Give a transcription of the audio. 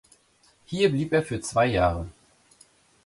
Hier blieb er für zwei Jahre.